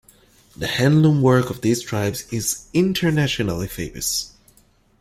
The hand-loom work of these tribes is internationally famous.